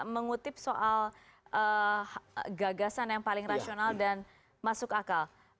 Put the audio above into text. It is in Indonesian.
mengutip soal gagasan yang paling rasional dan masuk akal